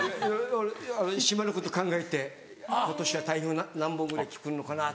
俺島のこと考えて「今年は台風何本ぐらい来るのかな」。